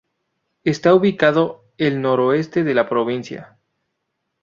Está ubicado el noroeste de la provincia.